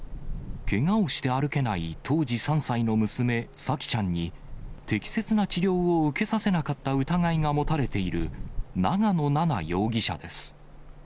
けがをして歩けない当時３歳の娘、沙季ちゃんに適切な治療を受けさせなかった疑いが持たれている、長野奈々容疑者です。